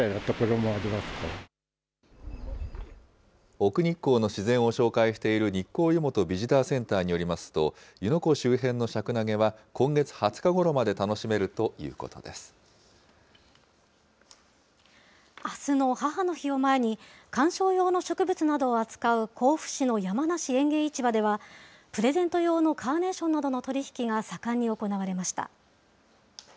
奥日光の自然を紹介している、日光湯元ビジターセンターによりますと、湯ノ湖周辺のシャクナゲは、今月２０日ごろまで楽しめるというこあすの母の日を前に、観賞用の植物などを扱う甲府市の山梨園芸市場では、プレゼント用のカーネーションなどの取り引きが盛んに行われました。